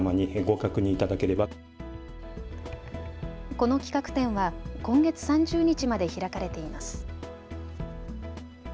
この企画展は今月３０日まで開かれています。